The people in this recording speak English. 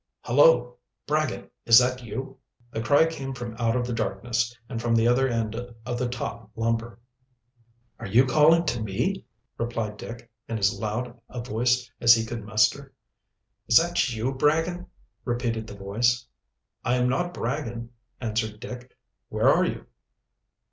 "Hullo, Bragin! is that you?" The cry came from out of the darkness and from the other end of the top lumber. "Are you calling to me?" replied Dick, in as loud a voice as he could muster. "Is that you, Bragin?" repeated the voice. "I am not Bragin," answered Dick. "Where are you?"